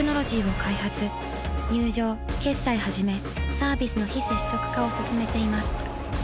入場決済はじめサービスの非接触化を進めています。